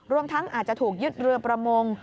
รวมทั้งอาจจะถูกยึดเรือประมง